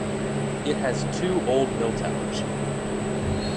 It has two old mill towers.